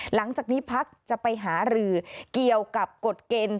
หลังจากนี้พักจะไปหารือเกี่ยวกับกฎเกณฑ์